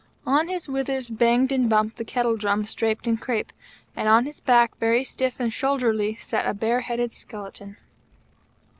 On his withers banged and bumped the kettle drums draped in crape, and on his back, very stiff and soldierly, sat a bare headed skeleton.